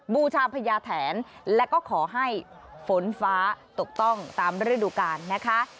บูชาพญาแถนและก็ขอให้ฝนฟ้าตกต้องตามฤดูกาลนะคะ